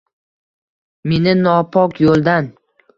Meni nopok yo’ldan